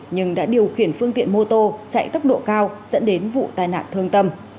nhưng đã điều khiển phương tiện mô tô chạy tốc độ cao dẫn đến vụ tai nạn thương tâm